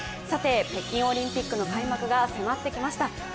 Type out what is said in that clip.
北京オリンピックの開幕が迫ってきました。